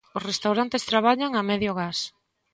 Os restaurantes traballan a medio gas.